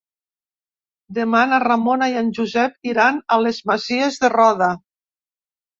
Demà na Ramona i en Josep iran a les Masies de Roda.